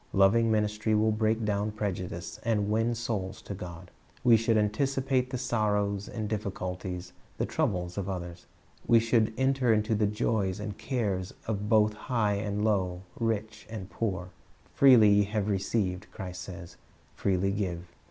Loving ministry will break down prejudice, and win souls to God. We should anticipate the sorrows, the difficulties, the troubles of others. We should enter into the joys and cares of both high and low, rich and poor. "Freely ye have received," Christ says, "freely give.'"